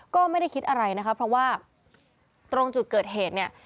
ก็ไม่ได้คิดอะไรนะคะเพราะว่าตรงจุดเกิดเหตุเนี่ย